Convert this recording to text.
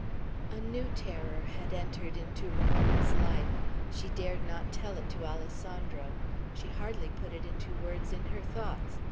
A new terror had entered into Ramona's life; she dared not tell it to Alessandro; she hardly put it into words in her thoughts.